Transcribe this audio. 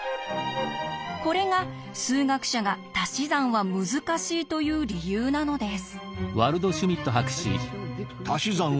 これが数学者が「たし算は難しい」と言う理由なのです。